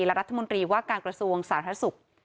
และรัฐมนตรีว่าการกระทรวงสาธารณสุข